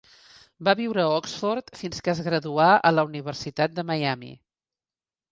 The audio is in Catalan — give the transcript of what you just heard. Va viure a Oxford fins que es graduà a la Universitat de Miami.